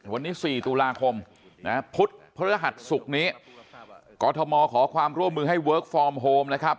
วันนี้๔ตุลาคมนะพุธพฤหัสศุกร์นี้กรทมขอความร่วมมือให้เวิร์คฟอร์มโฮมนะครับ